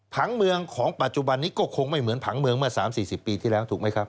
ผังเมืองของปัจจุบันนี้ก็คงไม่เหมือนผังเมืองเมื่อ๓๔๐ปีที่แล้วถูกไหมครับ